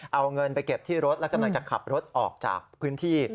เอาเงินไปเก็บที่รถและกำลังจะขับรถออกจากพื้นที่